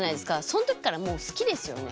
そのときからもう好きですよね？